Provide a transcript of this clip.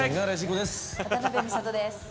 渡辺美里です。